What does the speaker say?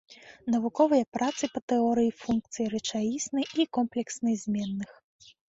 Навуковыя працы па тэорыі функцыі рэчаіснай і комплекснай зменных.